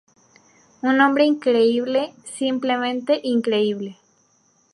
Un hombre increíble, simplemente increíble".